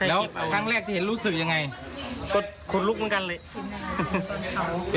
แล้วครั้งแรกเจอรู้สึกอยาก